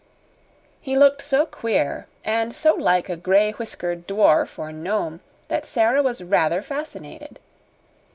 He looked so queer and so like a gray whiskered dwarf or gnome that Sara was rather fascinated.